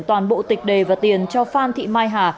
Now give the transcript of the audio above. toàn bộ tịch đề và tiền cho phan thị mai hà